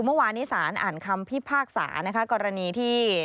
เมื่อวานนี้สารอ่านคำพิพากษานะคะกรณีที่